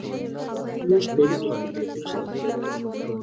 موږ پرون د خپلو ملګرو سره په پارک کې ولیدل.